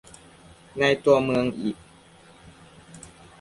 ในตัวเมืองอีก